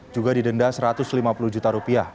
juga didenda rp satu ratus lima puluh juta rupiah